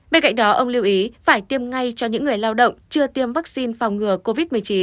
bên cạnh đó ông lưu ý phải tiêm ngay cho những người lao động chưa tiêm vaccine phòng ngừa covid một mươi chín